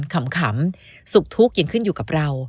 ขำสุขทุกข์ยังขึ้นอยู่กับเรา